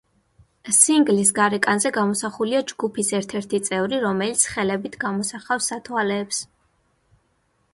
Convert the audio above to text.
სინგლის გარეკანზე გამოსახულია ჯგუფის ერთ-ერთი წევრი, რომელიც ხელებით გამოსახავს სათვალეებს.